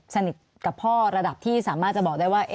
สนิทกับพ่อระดับที่สามารถจะบอกได้ว่า